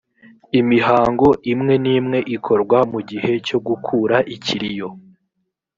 imihango imwe n’ imwe ikorwa mu gihe cyo gukura ikiriyo